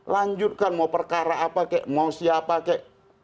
lanjutkan mau perkara apa kek mau siapa kek